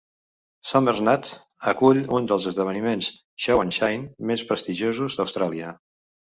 Summernats acull un dels esdeveniments Show and Shine més prestigiosos d'Austràlia.